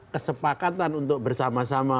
kesepakatan untuk bersama sama